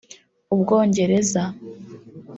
Ubwongereza